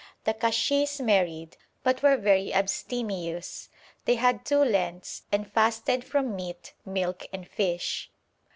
The kashis married, but were very abstemious. They had two Lents, and fasted from meat, milk, and fish.'